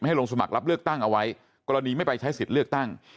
ลงสมัครรับเลือกตั้งเอาไว้กรณีไม่ไปใช้สิทธิ์เลือกตั้ง